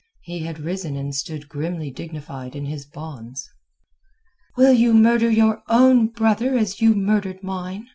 He had risen and stood grimly dignified in his bonds. "Will you murder your own brother as you murdered mine?"